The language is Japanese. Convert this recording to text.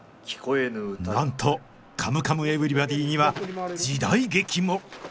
なんと「カムカムエヴリバディ」には時代劇も！